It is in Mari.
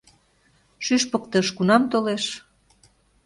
Шӱшпык тыш кунам толеш?»